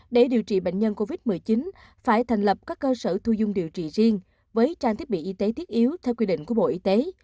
để điều trị bệnh nhân covid một mươi chín phải thành lập các cơ sở thu dung điều trị riêng với trang thiết bị y tế thiết yếu theo quy định của bộ y tế